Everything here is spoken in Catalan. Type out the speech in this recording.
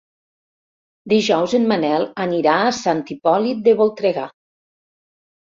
Dijous en Manel anirà a Sant Hipòlit de Voltregà.